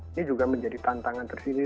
ini juga menjadi tantangan tersendiri